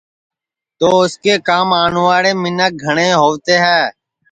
تو اُس کے کام آوڻْواݪے مینکھ گھڻْے ہووتے ہے